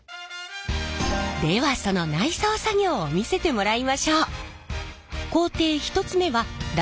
ではその内装作業を見せてもらいましょう。